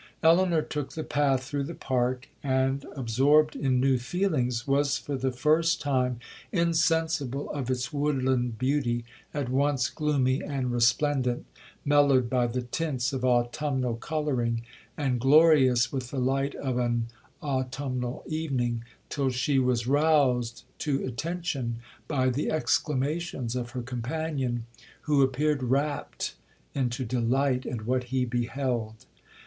'Elinor took the path through the park, and, absorbed in new feelings, was for the first time insensible of its woodland beauty, at once gloomy and resplendent, mellowed by the tints of autumnal colouring, and glorious with the light of an autumnal evening,—till she was roused to attention by the exclamations of her companion, who appeared rapt into delight at what he beheld.